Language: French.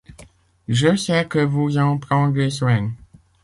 Je sais que vous en prendrez soin.